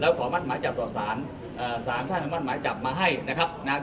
แล้วขอมาตรหมายจับตัวศาลศาลท่านมาตรหมายจับมาให้นะครับนะครับ